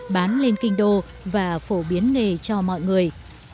bán lên kinh đô và phổ biến nghề cho mọi người